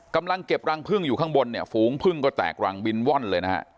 กำลังเก็บรังพึ่งอยู่ข้างบนเนี่ยฝูงพึ่งก็แตกรังบินว่อนเลยนะฮะ